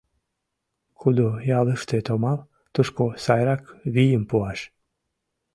Кудо ялыште томам — тушко сайрак вийым пуаш.